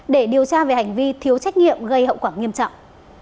để điều tra về hành vi thiếu trách nhiệm gây hậu quả nghiêm trọng